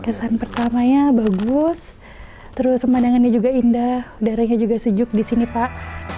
kesan pertamanya bagus terus pemandangannya juga indah udaranya juga sejuk di sini pak